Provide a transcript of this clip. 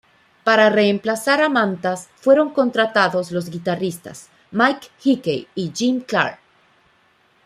Para reemplazar a Mantas fueron contratados dos guitarristas: Mike Hickey y Jim Clare.